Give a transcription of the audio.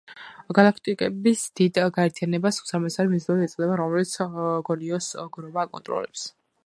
გალაქტიკების დიდ გაერთიანებას „უზარმაზარი მიმზიდველი“ ეწოდება, რომელსაც გონიოს გროვა აკონტროლებს.